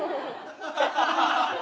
ハハハッ！